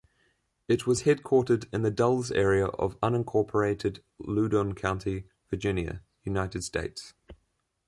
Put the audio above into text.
It was headquartered in the Dulles area of unincorporated Loudoun County, Virginia, United States.